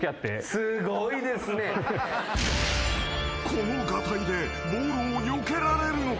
［このがたいでボールをよけられるのか？］